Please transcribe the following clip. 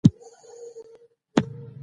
مچمچۍ د خندا او خوږوالي سمبول ده